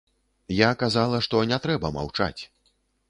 Я казала, што не трэба маўчаць.